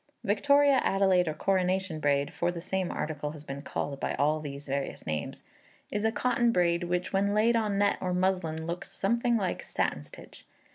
Victoria, Adelaide, or Coronation braid (for the same article has been called by all these various names), is a cotton braid, which, when laid on net or muslin, looks something like satin stitch.